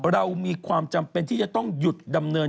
เรามีความจำเป็นที่จะต้องหยุดดำเนิน